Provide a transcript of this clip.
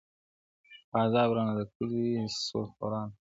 په عذاب رانه د كلي سودخوران دي-